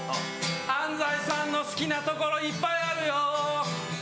安斉さんの好きなところいっぱいあるよ